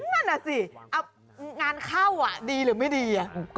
นั่นน่ะสิงานเข้าดีหรือไม่ดี